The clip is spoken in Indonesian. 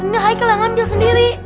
ini heikal yang ambil sendiri